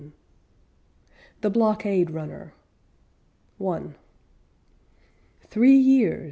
THE BLOCKADE RUNNER I Three years!